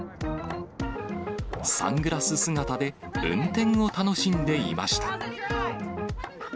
サングラス姿で運転を楽しんでいました。